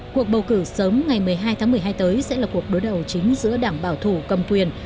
cuộc bầu cử sớm ngày một mươi hai tháng một mươi hai tới sẽ là cuộc đối đầu chính giữa đảng bảo thủ cầm quyền